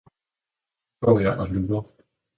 Nu går jeg og lurer.